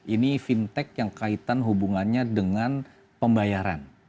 ini fintech yang kaitan hubungannya dengan pembayaran